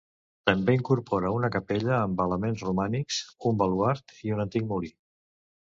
També incorpora una capella amb elements romànics, un baluard i un antic molí.